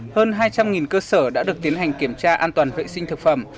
hơn hai trăm linh cơ sở đã được tiến hành kiểm tra an toàn vệ sinh thực phẩm